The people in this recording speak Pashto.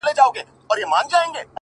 زما چي ځي تر ډېره ښوروي لاسونه’